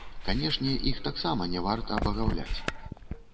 Канешне, іх таксама не варта абагаўляць.